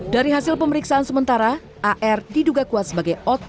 dari hasil pemeriksaan sementara ar diduga kuat sebagai otak